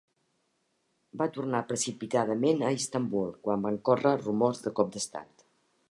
Va tornar precipitadament a Istanbul quan van córrer rumors de cop d'estat.